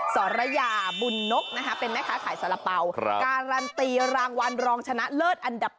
สรยาบุญนกเป็นแม่ค้าขายสาระเป๋าการันตีรางวัลรองชนะเลิศอันดับ๓